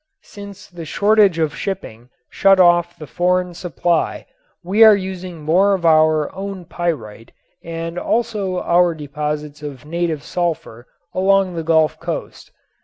Since the shortage of shipping shut off the foreign supply we are using more of our own pyrite and also our deposits of native sulfur along the Gulf coast.